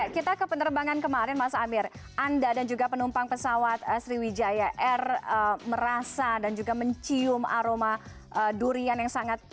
kita ke penerbangan kemarin mas amir anda dan juga penumpang pesawat sriwijaya air merasa dan juga mencium aroma durian yang sangat